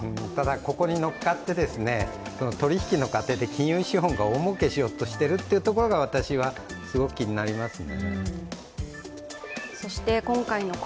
ここに乗っかって取引の過程で金融資本が大もうけしようとしているところが、私はすごく気になりますね。